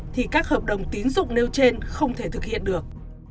thì các hợp đồng tín dụng nêu trên không thể thực hiện được